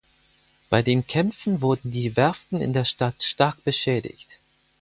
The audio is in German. Bei den Kämpfen wurden die Werften in der Stadt stark beschädigt.